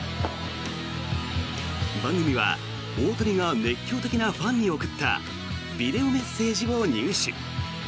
番組は、大谷が熱狂的なファンに送ったビデオメッセージを入手。